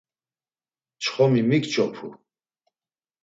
Çxomi mik ç̌opu?